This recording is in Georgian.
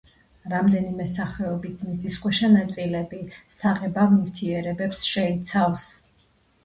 რამდენიმე სახეობის მიწისქვეშა ნაწილები საღებავ ნივთიერებებს შეიცავს.